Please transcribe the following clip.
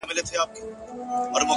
لكه ملا!